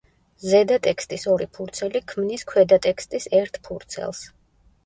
ზედა ტექსტის ორი ფურცელი ქმნის ქვედა ტექსტის ერთ ფურცელს.